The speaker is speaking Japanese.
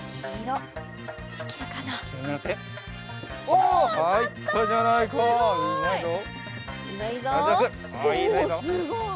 おすごい！